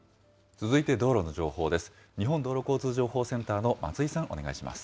続いて道路の情報です。